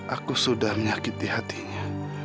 aku sudah menyakiti hatinya